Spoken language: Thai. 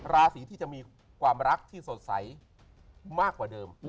ราศีที่จะมีความรักที่สดใสมากกว่าเดิม